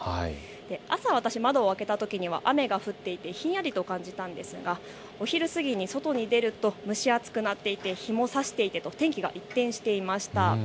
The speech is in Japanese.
朝、私、窓を開けたときには雨が降っていて、ひんやりと感じたんですが、お昼過ぎに外に出ると蒸し暑くなっていて日もさしていてと、天気が一転していました。